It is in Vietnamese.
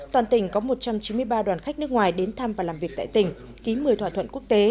toàn tỉnh có một trăm chín mươi ba đoàn khách nước ngoài đến thăm và làm việc tại tỉnh ký một mươi thỏa thuận quốc tế